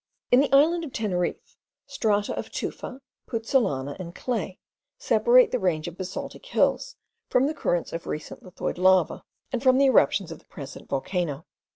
In the island of Teneriffe, strata of tufa, puzzolana, and clay, separate the range of basaltic hills from the currents of recent lithoid lava, and from the eruptions of the present volcano.